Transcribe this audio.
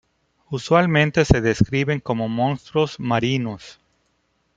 Usualmente se describen como monstruos marinos.